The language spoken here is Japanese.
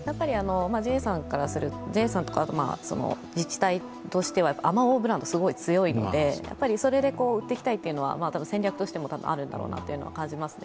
ＪＡさんとか、自治体としてはあまおうブランドすごく強いので、それで売っていきたいというのは戦略としてもたぶんあるんだろうなということは感じますね。